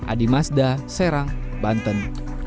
adi mazda serang banten